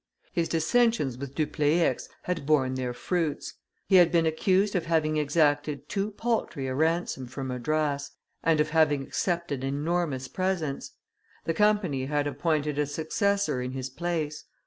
His dissensions with Dupleix had borne their fruits; he had been accused of having exacted too paltry a ransom from Madras, and of having accepted enormous presents; the Company had appointed a successor in his place.